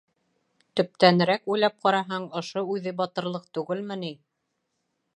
Төптәнерәк уйлап ҡараһаң, ошо үҙе батырлыҡ түгелме ни?